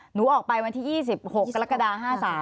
หนูออกไปวันที่๒๖กรกฎา๕๓